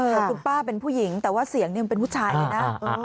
คุณป้าเป็นผู้หญิงแต่ว่าเสียงนี่มันเป็นผู้ชายเลยนะ